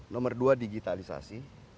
nomor dua digitalisasi